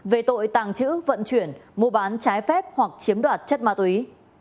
về tội tàng trữ vận chuyển mua bán trái phép hoặc chiếm đoạt chất ma túy